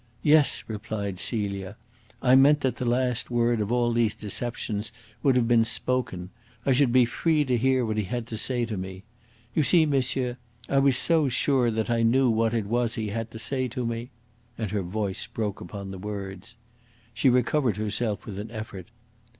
"Yes," replied Celia. "I meant that the last word of all these deceptions would have been spoken. I should be free to hear what he had to say to me. You see, monsieur, I was so sure that I knew what it was he had to say to me " and her voice broke upon the words. She recovered herself with an effort.